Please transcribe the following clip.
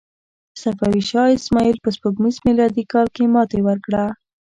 صفوي شاه اسماعیل په سپوږمیز میلادي کال کې ماتې ورکړه.